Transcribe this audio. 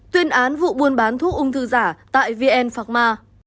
tuyên án vụ buôn bán thuốc ung thư giả tại vn phạc ma